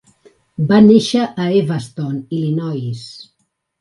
Va néixer a Evanston, Illinois.